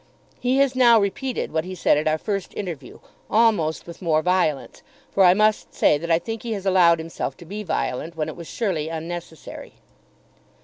He has now repeated what he said at our first interview, almost with more violence; for I must say that I think he has allowed himself to be violent when it was surely unnecessary.